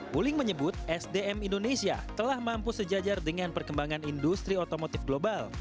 wuling menyebut sdm indonesia telah mampu sejajar dengan perkembangan industri otomotif global